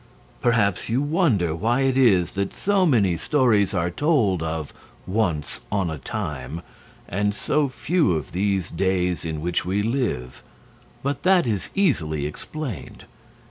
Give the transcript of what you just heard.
Perhaps you wonder why it is that so many stories are told of "once on a time", and so few of these days in which we live; but that is easily explained.